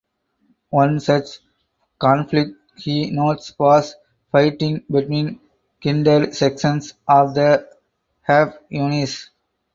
One such conflict he notes was fighting between kindred sections of the Habr Yunis.